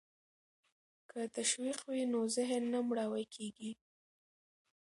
که تشویق وي نو ذهن نه مړاوی کیږي.